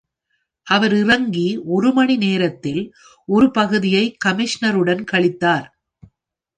அவர் இறங்கி ஒரு மணி நேரத்தில் ஒரு பகுதியை கமிஷ்னருடன் கழித்தார்.